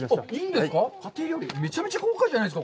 めちゃめちゃ豪華じゃないですか！